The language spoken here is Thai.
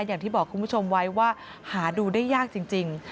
อย่างที่บอกคุณผู้ชมไว้ว่าหาดูได้ยากจริง